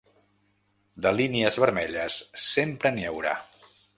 De línies vermelles sempre n’hi haurà.